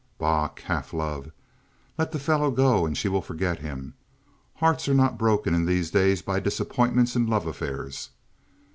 "Bah! Calf love! Let the fellow go and she will forget him. Hearts are not broken in these days by disappointments in love affairs."